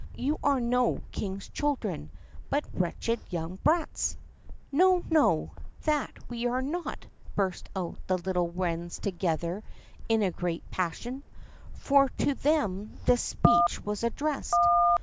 You are no king's children, but wretched young brats." "No, no, that we are not!" burst out the little wrens together in a great passion, for to them this speech was addressed.